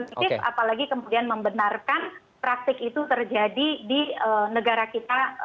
kita tidak boleh perbuatan apalagi kemudian membenarkan praktek itu terjadi di negara kita